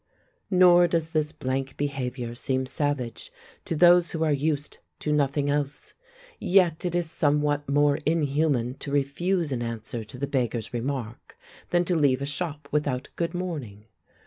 Nor does this blank behaviour seem savage to those who are used to nothing else. Yet it is somewhat more inhuman to refuse an answer to the beggar's remark than to leave a shop without "Good morning."